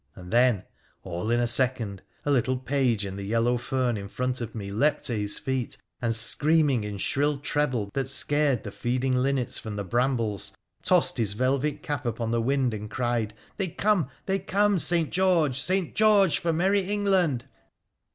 And then, all in a second, a little page in the yellow fern in front of me leapt to his feet, and, screaming in shrill treble that scared the feeding linnets from the brambles, tossed his velvet cap upon the wind and cried —' They come ! they come, St. George ! St. George for merry England